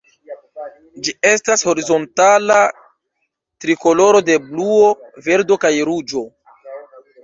Ĝi estas horizontala trikoloro de bluo, verdo kaj ruĝo.